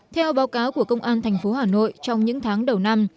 theo báo cáo của công an tp hà nội trong những tháng đầu năm